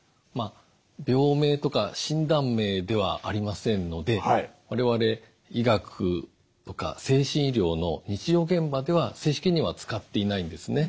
病名とか診断名ではありませんので我々医学とか精神医療の日常現場では正式には使っていないんですね。